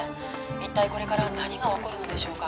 一体これから何が起こるのでしょうか？